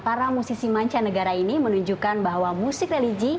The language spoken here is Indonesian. para musisi mancanegara ini menunjukkan bahwa musik religi